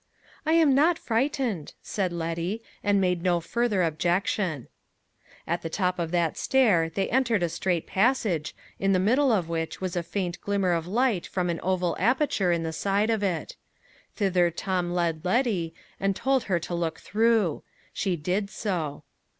"I am not frightened," said Letty, and made no further objection. At the top of that stair they entered a straight passage, in the middle of which was a faint glimmer of light from an oval aperture in the side of it. Thither Tom led Letty, and told her to look through. She did so.